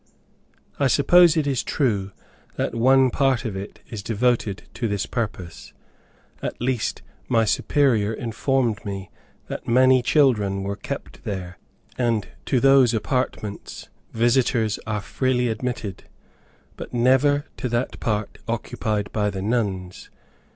I suppose it is true that one part of it is devoted to this purpose; at least my Superior informed me that many children were kept there; and to those apartments visitors are freely admitted, but never to that part occupied by the nuns.